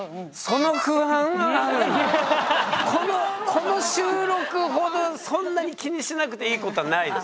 この収録ほどそんなに気にしなくていいことはないです。